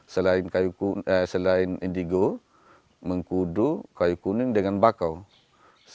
selain indigo mengkudu kayu kuning dan berikutnya